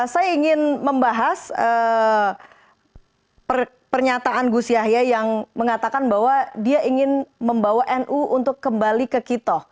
saya ingin membahas pernyataan gus yahya yang mengatakan bahwa dia ingin membawa nu untuk kembali ke kito